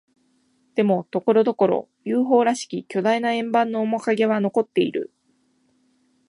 でも、ところどころ、ＵＦＯ らしき巨大な円盤の面影は残っている。